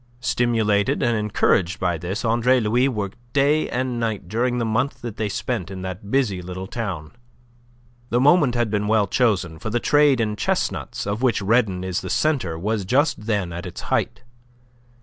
Stimulated and encouraged by this, Andre Louis worked day and night during the month that they spent in that busy little town. The moment had been well chosen, for the trade in chestnuts of which Redon is the centre was just then at its height.